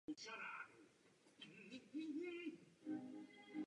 Její dramatické zážitky jsou sepsány v knize "Left Behind".